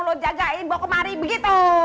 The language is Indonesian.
lo jagain bawa kemari begitu